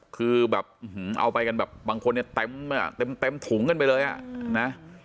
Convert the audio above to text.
คือแบบเอาไปกันแบบบางคนเนี่ยเต็มทุ่งกันไปเลยอะนะ